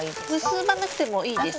結ばなくてもいいです。